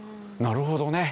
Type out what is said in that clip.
なるほどね。